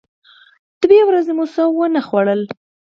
دوې ورځې مو څه و نه خوړل.